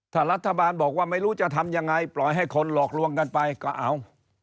ถ้ารัฐบาลบอกว่าไม่รู้จะทำยังไงปล่อยให้คนหลอกลวงกันไปก็เอา